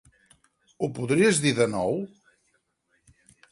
Ho podries dir de nou?